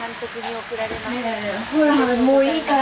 ねえほらもういいから。